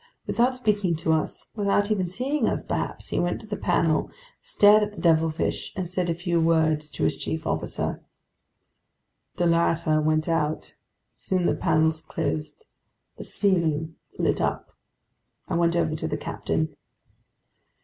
Without speaking to us, without even seeing us perhaps, he went to the panel, stared at the devilfish, and said a few words to his chief officer. The latter went out. Soon the panels closed. The ceiling lit up. I went over to the captain.